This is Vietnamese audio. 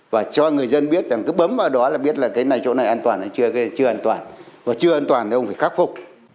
và cho người dân biết cứ bấm vào đó là biết chỗ này an toàn hay chưa an toàn và chưa an toàn thì ông phải khắc phục